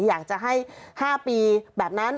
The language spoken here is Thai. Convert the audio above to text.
อยากจะให้๕ปีแบบนั้น